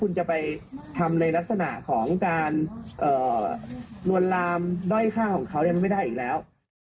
คุณจะไปทำในลักษณะของการลวนลามด้อยฆ่าของเขามันไม่ได้อีกแล้ว